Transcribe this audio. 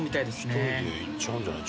１人でいっちゃうんじゃない？